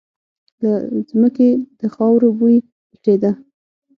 له ځمکې د خاورو بوی لټېده.